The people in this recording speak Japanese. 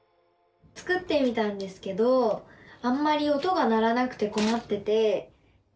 作ってみたんですけどあんまり音が鳴らなくてこまってて。